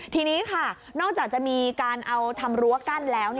ทีนี้ค่ะนอกจากจะมีการเอาทำรั้วกั้นแล้ว